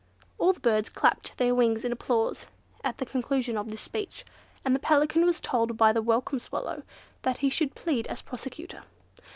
All the birds clapped their wings in applause at the conclusion of this speech, and the Pelican was told by the Welcome Swallow that he should plead as Prosecutor.